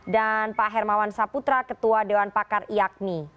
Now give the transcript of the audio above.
dan pak hermawan saputra ketua dewan pakar iakni